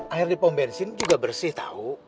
air di pom bensin juga bersih tahu